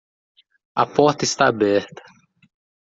A porta está aberta